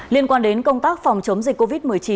liên quan đến công tác phòng chống dịch covid một mươi chín